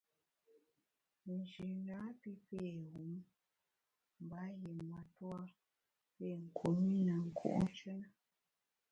Nji napi pé wum mba yié matua pé kum i ne nku’njù na.